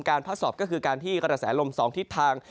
พัดสอบก็คือการที่กระแสลม๒ทิศทาง